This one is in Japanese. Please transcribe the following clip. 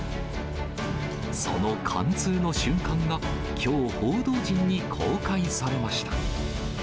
その貫通の瞬間がきょう、報道陣に公開されました。